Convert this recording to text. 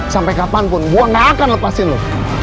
sampai kapanpun gue gak akan lepasin loh